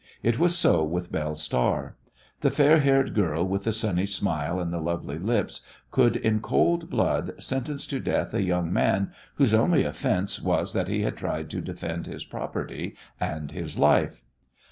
It was so with Belle Star. The fair haired girl with the sunny smile and the lovely lips could in cold blood sentence to death a young man whose only offence was that he had tried to defend his property and his life.